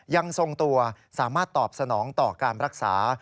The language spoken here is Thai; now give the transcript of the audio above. ยังทรงตัวสามารถตอบสนองต่อการรักษา